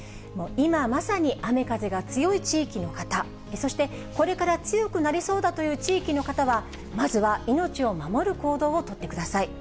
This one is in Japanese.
今、まさに雨風が強い地域の方、そしてこれから強くなりそうだという地域の方は、まずは命を守る行動を取ってください。